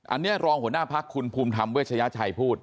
อันนี้รองหัวหน้าพักคุณภูมิธรรมเวชยชัยพูด